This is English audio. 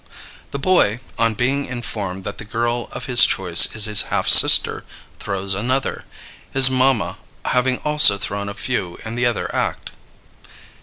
The boy, on being informed that the girl of his choice is his half sister, throws another, his mama having also thrown a few in the other act.